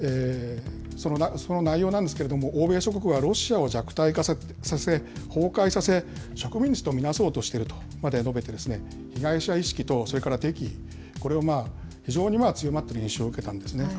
その内容なんですけれども、欧米諸国はロシアを弱体化させ、崩壊させ、植民地と見なそうとしているとまで述べて、被害者意識とそれから敵意、これを非常に強まってる印象、受けたんですね。